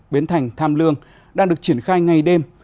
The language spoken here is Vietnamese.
bến thành tham lương đang được triển khai ngay đêm